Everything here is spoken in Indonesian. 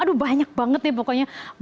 aduh banyak banget ya pokoknya